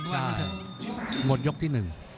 หมดยกที่๑